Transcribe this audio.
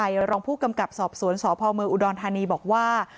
แนบชิดชัยรองผู้กำกับสอบสวนสภมอุดรธานีบอกว่า